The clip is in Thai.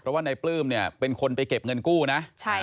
เพราะว่าในปลื้มเป็นคนไปเก็บเงินกู้นะ